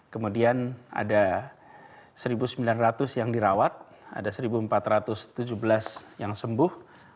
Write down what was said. kemudian ada satu sembilan ratus yang dirawat ada satu empat ratus tujuh belas yang sembuh